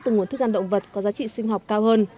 từ nguồn thức ăn động vật có giá trị sinh học cao hơn